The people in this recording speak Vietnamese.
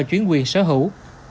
chuyển quyền sở hữu